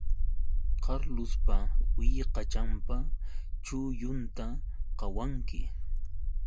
Carlospa willkachanpa chullunta qawanki